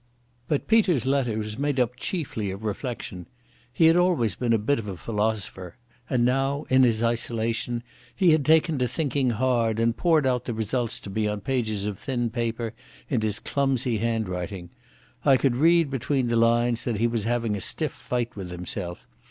But Peter's letter was made up chiefly of reflection. He had always been a bit of a philosopher, and now, in his isolation, he had taken to thinking hard, and poured out the results to me on pages of thin paper in his clumsy handwriting. I could read between the lines that he was having a stiff fight with himself.